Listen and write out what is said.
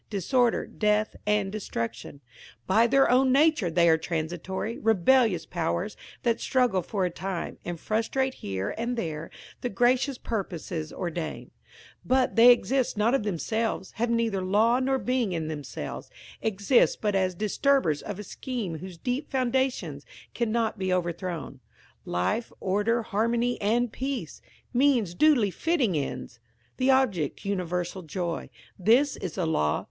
Disorder, death, and destruction:–by their own nature they are transitory–rebellious powers that struggle for a time, and frustrate here and there the gracious purposes ordained. But they exist not of themselves; have neither law nor being in themselves; exist but as disturbers of a scheme whose deep foundations cannot be overthrown. Life, order, harmony, and peace; means duly fitting ends; the object, universal joy. This is the law.